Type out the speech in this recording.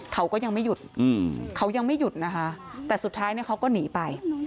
เขาก็ยังไม่หยุดเขายังไม่หยุดนะคะแต่สุดท้ายเนี่ยเขาก็หนีไป